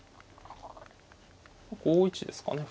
５一ですかね